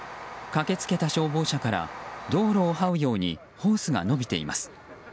駆けつけた消防車から道路をはうようにホースが伸びています。